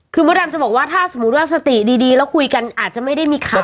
คือมดดำจะบอกว่าถ้าสมมุติว่าสติดีแล้วคุยกันอาจจะไม่ได้มีข่าว